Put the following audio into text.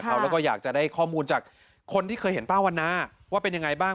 เราก็อยากจะได้ข้อมูลจากคนที่เคยเห็นป้าวันนาว่าเป็นยังไงบ้าง